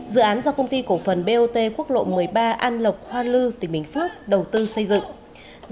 dự án do công ty cổ phần bot quốc lộ một mươi ba an lộc hoa lư tỉnh bình phước đầu tư xây dựng